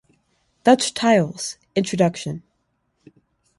Dutch Tiles: Introduction.